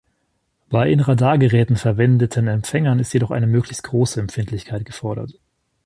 Bei in Radargeräten verwendeten Empfängern ist jedoch eine möglichst große Empfindlichkeit gefordert.